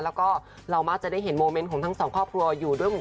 แล้วก็เรามักจะได้เห็นโมเมนต์ของทั้งสองครอบครัวอยู่ด้วย